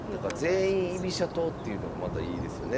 全員居飛車党っていうのもまたいいですよね。